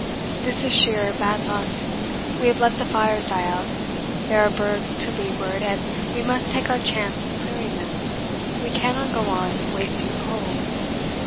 This is sheer bad luck. We have let the fires die out; there are bergs to leeward and we must take our chance of clearing them we cannot go on wasting coal.